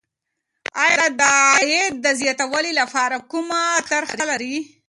آیا د عاید د زیاتوالي لپاره کومه طرحه لرې؟